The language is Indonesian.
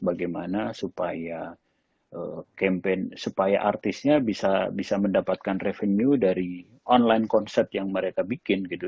bagaimana supaya artisnya bisa mendapatkan revenue dari online concert yang mereka bikin gitu